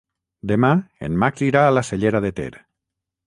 Demà en Max irà a la Cellera de Ter.